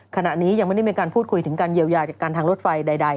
ขณะนี้ยังไม่ได้มีการพูดคุยถึงการเยียวยาจากการทางรถไฟใด